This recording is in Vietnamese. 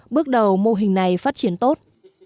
bước đầu mô hình này phát triển tốt